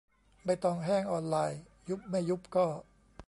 ใบตองแห้งออนไลน์ : ยุบไม่ยุบก็.